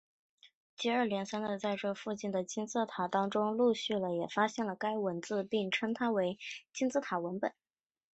接二连三的在这附近的金字塔当中陆续了也发现了该文字并将它称为金字塔文本。